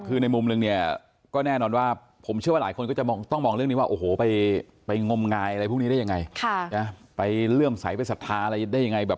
เพิ่มเติมให้นะครับคือในมุมนึงเนี่ย